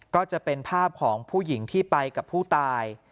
ก็จะเป็นภาพของผู้หญิงที่ไปกับผู้ตาย